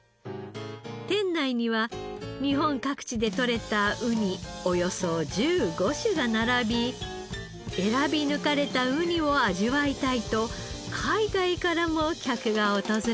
店内には日本各地でとれたウニおよそ１５種が並び選び抜かれたウニを味わいたいと海外からも客が訪れます。